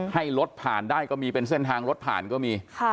ให้รถผ่านได้ก็มีเป็นเส้นทางรถผ่านก็มี